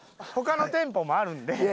他の店舗もあるんで。